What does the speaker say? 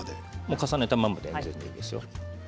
重ねたままでいいですよ。